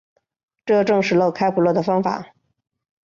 这证实了开普勒的方法。